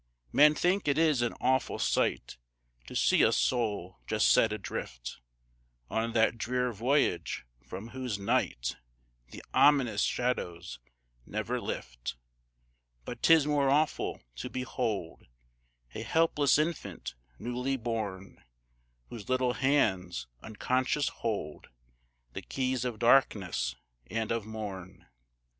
Men think it is an awful sight To see a soul just set adrift On that drear voyage from whose night The ominous shadows never lift; But 'tis more awful to behold A helpless infant, newly born, Whose little hands unconscious hold The keys of darkness and of morn.